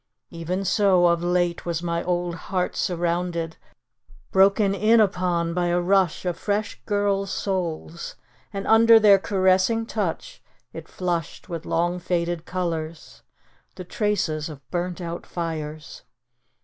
Even so of late was my old heart surrounded, broken in upon by a rush of fresh girls' souls ... and under their caressing touch it flushed with long faded colours, the traces of burnt out fires